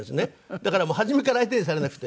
だからもう初めから相手にされなくて。